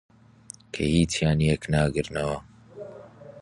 کە هیچیان یەکتر ناگرنەوە